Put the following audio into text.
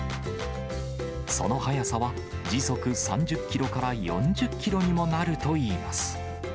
その速さは時速３０キロから４０キロにもなるといいます。